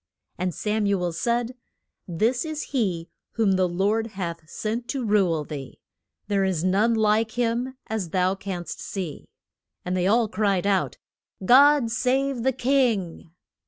And Sam u el said, This is he whom the Lord hath sent to rule thee. There is none like him, as thou canst see. And they all cried out, God save the king!